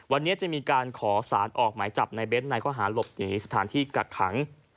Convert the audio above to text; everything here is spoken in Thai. วันนี้จะมีการขอสารออกหมายจับในเบ้นในข้อหาหลบหนีสถานที่กักขัง